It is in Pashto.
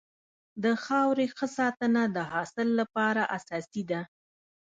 د خاورې ښه ساتنه د حاصل لپاره اساسي ده.